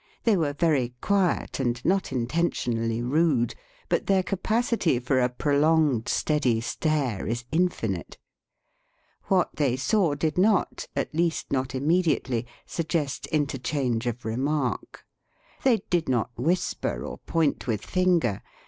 They were very quiet and not intentionally rude, but their capacity for a prolonged steady stare is infinite. What they saw did not — at least, not immediately — suggest interchange of remark. They did not whisper or point with finger.